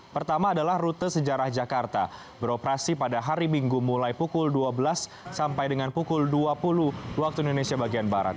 pertama adalah rute sejarah jakarta beroperasi pada hari minggu mulai pukul dua belas sampai dengan pukul dua puluh waktu indonesia bagian barat